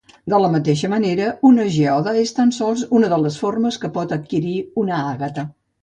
De la mateixa manera, una geoda és tan sols una de les formes que pot adquirir una àgata.